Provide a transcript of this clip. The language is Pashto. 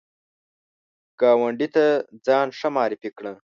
ګاونډي ته ځان ښه معرفي کړه